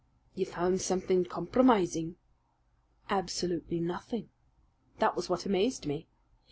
"You found something compromising?" "Absolutely nothing. That was what amazed me.